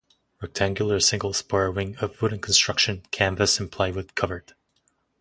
Rectangular single-spar wing of wooden construction, canvas and plywood covered.